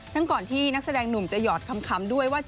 พรั่งก่อนที่ทรงหนุ่มจะหยอดคำคำว่า